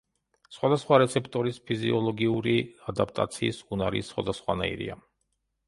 სხვადასხვა რეცეპტორის ფიზიოლოგიური ადაპტაციის უნარი სხვადასხვანაირია.